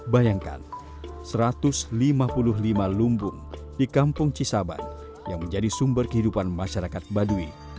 bayangkan satu ratus lima puluh lima lumbung di kampung cisaban yang menjadi sumber kehidupan masyarakat baduy